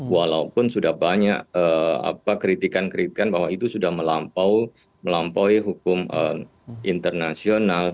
walaupun sudah banyak kritikan kritikan bahwa itu sudah melampaui hukum internasional